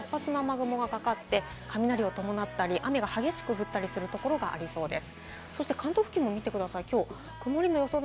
動かしますと、特に九州や四国、この辺りで活発な雨雲がかかって、雷を伴ったり雨が激しく降ったりするところがありそうです。